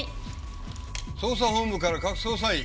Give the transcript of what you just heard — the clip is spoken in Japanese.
捜査本部から各捜査員。